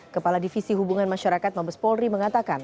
kepala divisi hubungan masyarakat mabes polri mengatakan